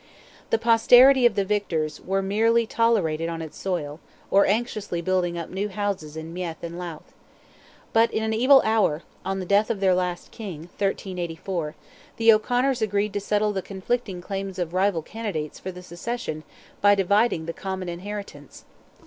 The posterity of the victors were merely tolerated on its soil, or anxiously building up new houses in Meath and Louth. But in an evil hour, on the death of their last King (1384), the O'Conors agreed to settle the conflicting claims of rival candidates for the succession by dividing the common inheritance.